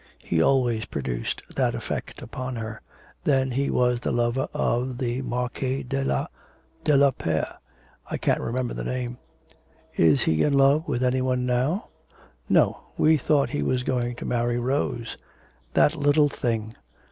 He always produced that effect upon her. Then he was the lover of the Marquise de la de la Per I can't remember the name.' 'Is he in love with any one now?' 'No; we thought he was going to marry Rose.' 'That little thing!'